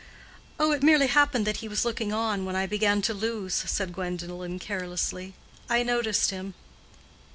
"Oh, it merely happened that he was looking on when I began to lose," said Gwendolen, carelessly. "I noticed him."